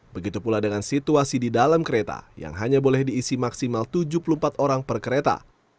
begitu pula dengan situasi di dalam kereta yang hanya boleh diisi maksimal tujuh puluh empat orang per kereta